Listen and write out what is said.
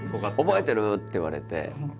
「覚えてる？」って言われて。